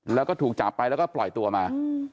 แล้วก็ถูกจับไปแล้วก็ปล่อยตัวมา